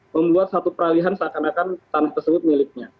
membuat satu peralihan seakan akan tanah tersebut miliknya